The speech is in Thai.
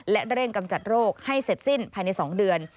และเร่งกำจัดโรคให้เสร็จสิ้นภายใน๒เดือน